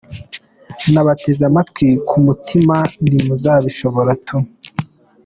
Nabateze amatwi ku mutima nti ntimuzabishora tu!